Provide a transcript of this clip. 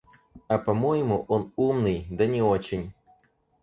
А по-моему, он умный, да не очень.